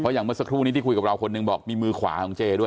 อย่างเมื่อสักครู่นี้ที่คุยกับเราคนหนึ่งบอกมีมือขวาของเจด้วย